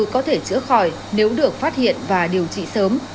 có thể chữa khỏi nếu được phát hiện và điều trị sớm